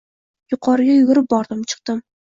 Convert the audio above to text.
Yuqoriga yugurib bordim, chiqdim.